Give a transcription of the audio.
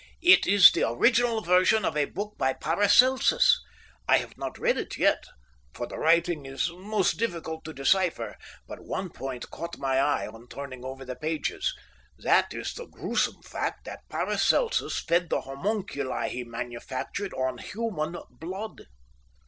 "It is the original version of a book by Paracelsus. I have not read it yet, for the writing is most difficult to decipher, but one point caught my eye on turning over the pages. That is the gruesome fact that Paracelsus fed the homunculi he manufactured on human blood.